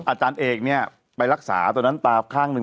อาจารย์เอกเนี่ยไปรักษาตอนนั้นตาข้างหนึ่ง